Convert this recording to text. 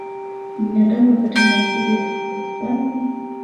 Binadamu hupata maambukizi ya bonde la ufa kwa kushika damu ya mnyama muathirika